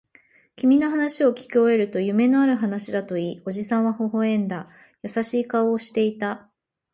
君の話をきき終えると、夢のある話だと言い、おじさんは微笑んだ。優しい顔をしていた。